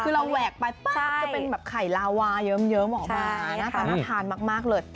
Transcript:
คือเราแหวกไปปั๊บจะเป็นแบบไข่ลาวาเยิ้มออกมาหน้าตาน่าทานมากเลย